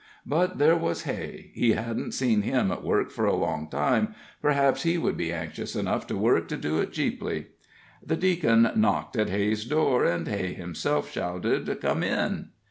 But there was Hay he hadn't seen him at work for a long time perhaps he would be anxious enough for work to do it cheaply. The Deacon knocked at Hay's door, and Hay himself shouted: "Come in."